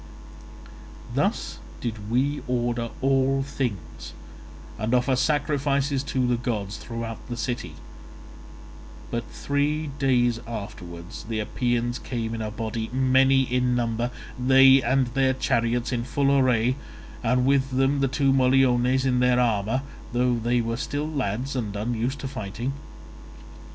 "Thus did we order all things, and offer sacrifices to the gods throughout the city; but three days afterwards the Epeans came in a body, many in number, they and their chariots, in full array, and with them the two Moliones in their armour, though they were still lads and unused to fighting.